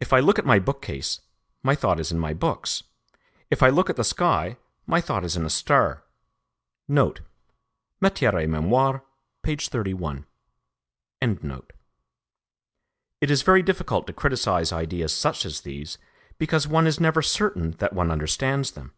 If I look at my bookcase, my thought is in my books; if I look at the sky, my thought is in a star. It is very difficult to criticise ideas such as these, because one is never certain that one understands them.